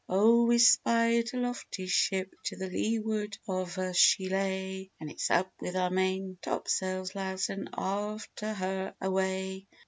Oh, we spied a lofty sh i ip, To the leeward of us she lay; "And it's up with our main topsails, lads, And after her away."